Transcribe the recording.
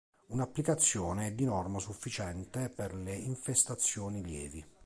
Una applicazione è di norma sufficiente per le infestazioni lievi.